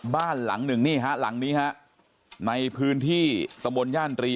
บ้านหลังหนึ่งนี่ฮะหลังนี้ฮะในพื้นที่ตะบนย่านตรี